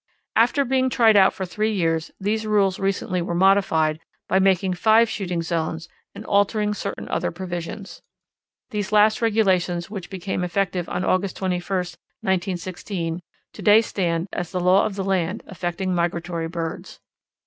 After being tried out for three years these rules recently were modified by making five shooting zones and altering certain other provisions. These last regulations which became effective on August 21, 1916, to day stand as the law of the land affecting migratory birds.